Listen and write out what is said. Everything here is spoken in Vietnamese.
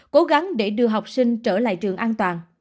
cố gắng để đưa học sinh trở lại trường an toàn